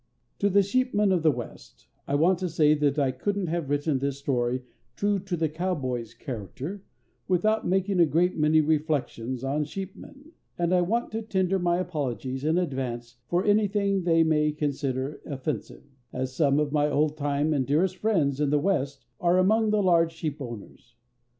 To the sheepmen of the West: I want to say that I couldn't have written this story true to the cowboys' character without making a great many reflections on sheepmen, and I want to tender my apologies in advance for anything they may consider offensive, as some of my old time and dearest friends in the West are among the large sheep owners.